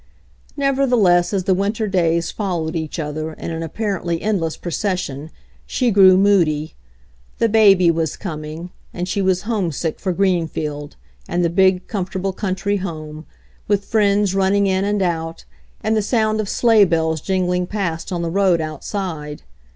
* Nevertheless, as the winter days followed each other in an apparently endless procession, she grew moody. The baby was coming, and she was homesick for Greenfield and the big, comfortable country home, with friends running in and out, and the sound of sleighbells jingling past on the road outside.